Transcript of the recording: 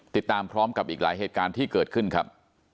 ติดตามพร้อมกับอีกหลายเหตุการณ์ที่เกิดขึ้นครับ